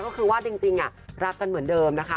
ก็คือว่าจริงรักกันเหมือนเดิมนะคะ